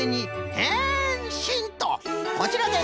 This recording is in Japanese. こちらです。